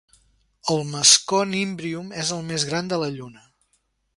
El mascon Imbrium és el més gran de la Lluna.